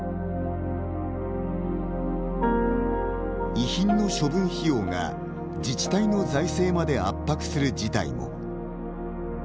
遺品の処分費用が自治体の財政まで圧迫する事態も。